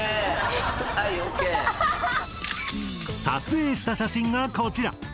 撮影した写真がこちら！